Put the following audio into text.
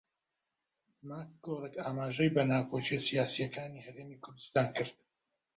ماکگۆرک ئاماژەی بە ناکۆکییە سیاسییەکانی هەرێمی کوردستان کرد